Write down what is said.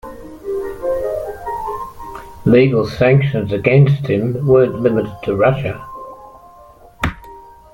Legal sanctions against him weren't limited to Russia.